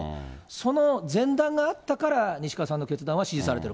その前段があったから西川さんの決断は支持されてる。